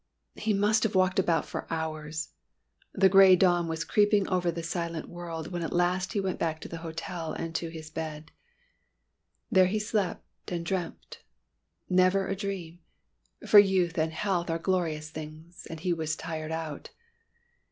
He must have walked about for hours. The grey dawn was creeping over the silent world when at last he went back to the hotel and to his bed. There he slept and dreamt never a dream! For youth and health are glorious things. And he was tired out.